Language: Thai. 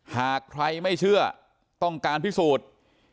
หากใครไม่เชื่อต้องการพิสูจน์